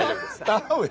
頼むよ。